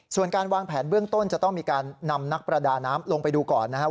ส่วนการวางแผนเบื้องต้นจะต้องมีการนำนักประดาน้ำลงไปดูก่อนนะครับ